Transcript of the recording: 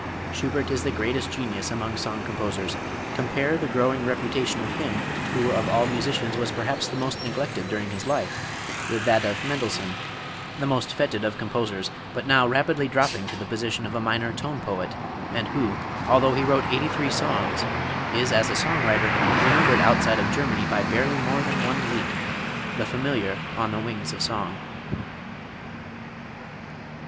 Schubert is the greatest genius among song composers. Compare the growing reputation of him who of all musicians was perhaps the most neglected during his life, with that of Mendelssohn, the most fêted of composers, but now rapidly dropping to the position of a minor tone poet, and who, although he wrote eighty three songs, is as a song writer remembered outside of Germany by barely more than one Lied, the familiar "On the Wings of Song."